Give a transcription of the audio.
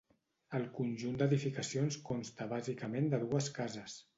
El conjunt d'edificacions consta bàsicament de dues cases.